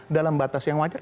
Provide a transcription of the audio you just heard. dalam batas yang wajar